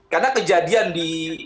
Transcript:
karena kejadian di